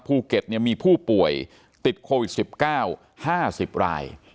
ภูเก็ตมีผู้ป่วยติดโควิด๑๙๕๐ราย